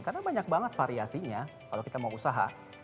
karena banyak banget variasinya kalau kita mau usaha